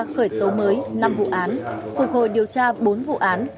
khởi tố mới năm vụ án phục hồi điều tra bốn vụ án